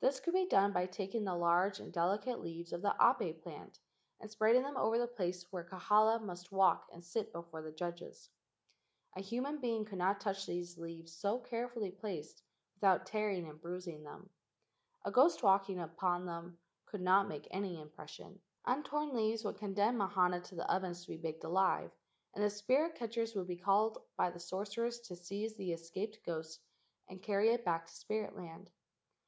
This could be done by taking the large and delicate leaves of the ape* plant and spreading them over the place where Kahala must walk and sit before the judges. A human being could not touch these leaves so carefully * Gunnera petaloides. 9° LEGENDS OF GHOSTS placed without tearing and bruising them. A ghost walking upon them could not make any impression. Untorn leaves would condemn Mahana to the ovens to be baked alive, and the spirit catchers would be called by the sorcerers to seize the escaped ghost and carry it back to spirit land.